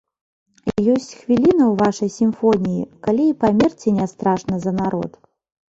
Ёсць хвіліна ў вашай сімфоніі, калі і памерці не страшна за народ.